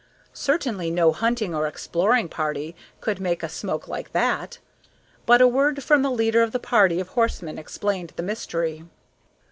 Certainly no hunting or exploring party could make a smoke like that. But a word from the leader of the party of horsemen explained the mystery.